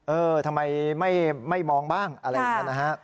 เออทำไมไม่มองบ้างอะไรอย่างนี้นะฮะ